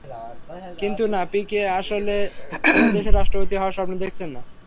কিন্তু না, পিকে আসলে কোনো দেশের রাষ্ট্রপতি হওয়ার স্বপ্ন দেখছেন না।